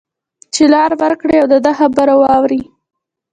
چې لار ورکړی او د ده خبره واوري